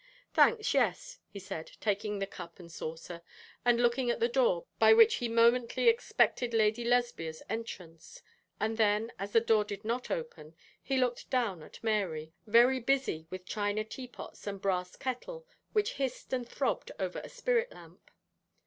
'Thanks, yes,' he said, taking the cup and saucer, and looking at the door by which he momently expected Lady Lesbia's entrance, and then, as the door did not open, he looked down at Mary, very busy with china teapots and a brass kettle which hissed and throbbed over a spirit lamp.